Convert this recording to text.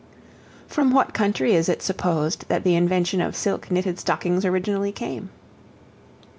From what country is it supposed that the invention of silk knitted stockings originally came?